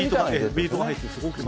ビートが入って。